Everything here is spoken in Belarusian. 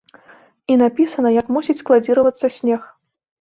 І напісана, як мусіць складзіравацца снег.